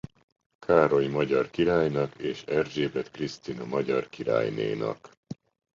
Károly magyar királynak és Erzsébet Krisztina magyar királynénak.